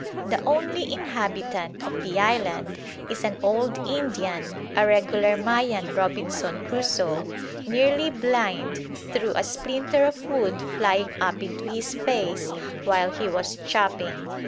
The only inhabitant of the island is an old Indian, a regular Mayan Robinson Crusoe, nearly blind through a splinter of wood flying up into his face while he was chopping.